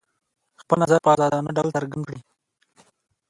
خپل نظر په ازادانه ډول څرګند کړي.